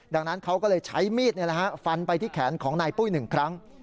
ดังนั้นเขาก็เลยใช้มีดฟันไปที่แขนของนายปุ้ย๑ครั้ง